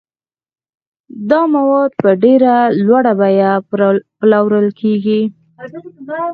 دا مواد په ډېره لوړه بیه پلورل کیږي.